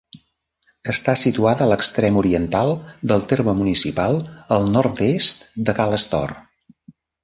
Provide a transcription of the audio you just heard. Està situada a l'extrem oriental del terme municipal, al nord-est de Ca l'Astor.